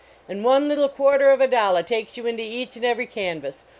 And one little quarter of a dollah takes you into each and every canvas